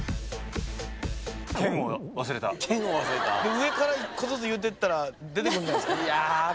上から一個ずつ言うてったら出てくるんじゃないですか？